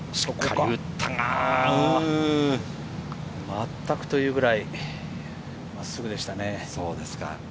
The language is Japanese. まったくというくらい、真っすぐでしたね。